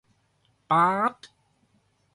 ป๊าด